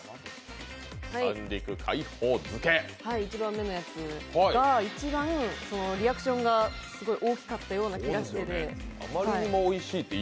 １番目のやつが、一番リアクションが大きかったような気がして。